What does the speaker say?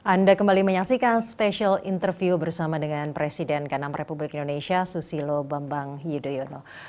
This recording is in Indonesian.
anda kembali menyaksikan spesial interview bersama dengan presiden ke enam republik indonesia susilo bambang yudhoyono